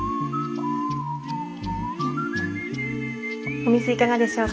お水いかがでしょうか？